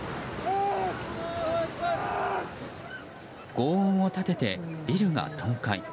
ごう音を立てて、ビルが倒壊。